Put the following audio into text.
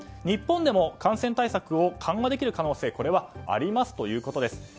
日本でも感染対策を緩和できる可能性についてはこれはありますということです。